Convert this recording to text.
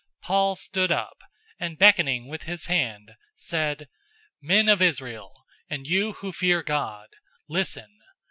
013:016 Paul stood up, and beckoning with his hand said, "Men of Israel, and you who fear God, listen.